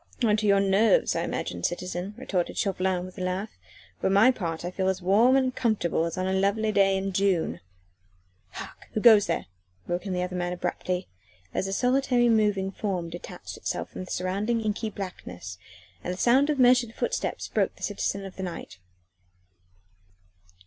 "On to your nerves, I imagine, citizen," retorted Chauvelin with a laugh; "for my part I feel as warm and comfortable as on a lovely day in June." "Hark! Who goes there?" broke in the other man abruptly, as a solitary moving form detached itself from the surrounding inky blackness and the sound of measured footsteps broke the silence of the night.